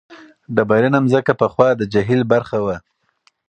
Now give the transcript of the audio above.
ډبرینه ځمکه پخوا د جهیل برخه وه.